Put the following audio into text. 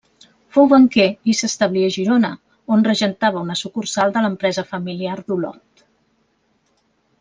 Fou banquer i s'establí a Girona, on regentava una sucursal de l'empresa familiar d'Olot.